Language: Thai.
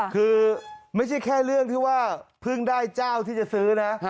คือไม่ใช่แค่เรื่องที่ว่าเพิ่งได้เจ้าที่จะซื้อนะ